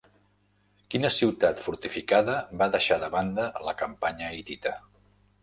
Quina ciutat fortificada va deixar de banda la campanya hitita?